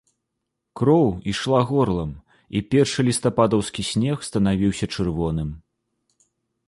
Кроў ішла горлам і першы лістападаўскі снег станавіўся чырвоным.